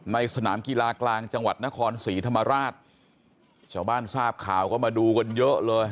สนามกีฬากลางจังหวัดนครศรีธรรมราชชาวบ้านทราบข่าวก็มาดูกันเยอะเลย